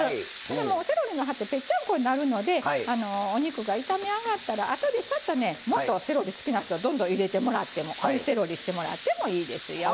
セロリの葉ってぺっちゃんこになるのでお肉が炒め上がったらあとでちょっとねもっとセロリ好きな人はどんどん入れてもらっても追いセロリしてもらってもいいですよ。